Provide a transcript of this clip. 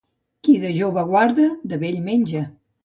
Qui de jove guarda, de vell menja.